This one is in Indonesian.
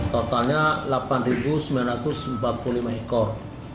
totalnya delapan sembilan ratus empat puluh lima ekor